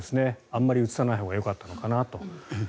あまり映さないほうがよかったのかなと。